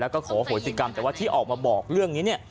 แล้วก็ขอโหสิกรรมแต่ว่าที่ออกมาบอกเรื่องนี้เนี่ย